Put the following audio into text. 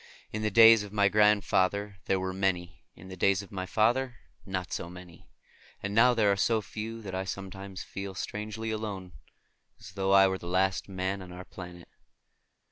In the days of my grandfather there were many; in the days of my father not so many; and now there are so few that I sometimes feel strangely alone, as though I were the last man on our planet.